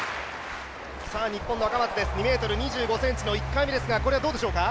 日本の赤松、２ｍ２５ｃｍの１回目ですがこれはどうでしょうか？